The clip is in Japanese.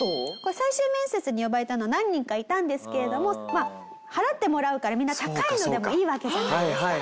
最終面接に呼ばれたのは何人かいたんですけれども払ってもらうからみんな高いのでもいいわけじゃないですか。